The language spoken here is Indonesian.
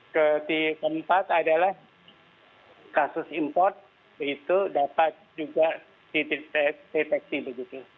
keempat adalah kasus import itu dapat juga dideteksi begitu